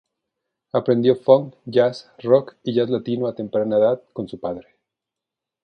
Aprendió funk, jazz, rock y jazz latino a temprana edad con su padre.